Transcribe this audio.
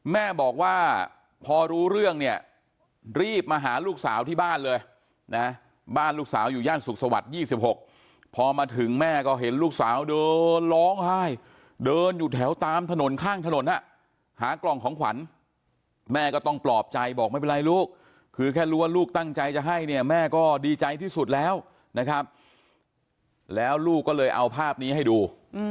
แม่บอกว่าพอรู้เรื่องเนี่ยรีบมาหาลูกสาวที่บ้านเลยนะบ้านลูกสาวอยู่ย่านสุขสวัสดิ์๒๖พอมาถึงแม่ก็เห็นลูกสาวเดินร้องไห้เดินอยู่แถวตามถนนข้างถนนหากล่องของขวัญแม่ก็ต้องปลอบใจบอกไม่เป็นไรลูกคือแค่รู้ว่าลูกตั้งใจจะให้เนี่ยแม่ก็ดีใจที่สุดแล้วนะครับแล้วลูกก็เลยเอาภาพนี้ให้ดู